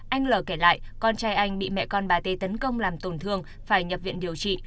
anh l kể lại con trai anh bị mẹ con bà tê tấn công làm tổn thương phải nhập viện điều trị